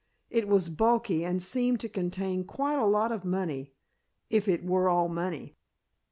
It was bulky and seemed to contain quite a lot of money if it were all money.